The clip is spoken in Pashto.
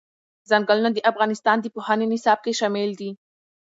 ځنګلونه د افغانستان د پوهنې نصاب کې شامل دي.